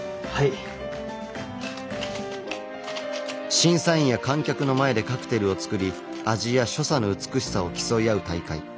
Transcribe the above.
審査員や観客の前でカクテルを作り味や所作の美しさを競い合う大会。